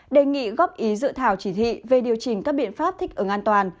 đề nghị góp ý dự thảo chỉ thị về điều chỉnh các biện pháp thích ứng an toàn